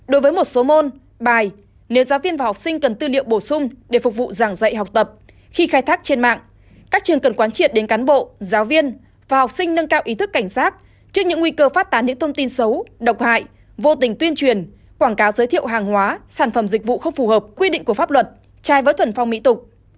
đối với một số môn bài nếu giáo viên và học sinh cần tư liệu bổ sung để phục vụ giảng dạy học tập khi khai thác trên mạng các trường cần quán triệt đến cán bộ giáo viên và học sinh nâng cao ý thức cảnh sát trước những nguy cơ phát tán những thông tin xấu độc hại vô tình tuyên truyền quảng cáo giới thiệu hàng hóa sản phẩm dịch vụ không phù hợp quy định của pháp luật trai với thuần phong mỹ tục